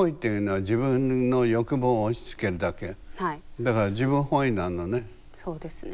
だから自分本位なのね。